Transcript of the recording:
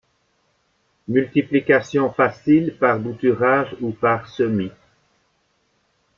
Multiplication facile par bouturage ou par semis.